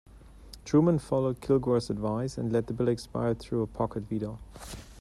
Truman followed Kilgore's advice and let the bill expire through a pocket veto.